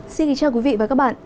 xin kính chào quý vị và các bạn